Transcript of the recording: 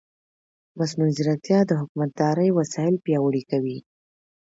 مصنوعي ځیرکتیا د حکومتدارۍ وسایل پیاوړي کوي.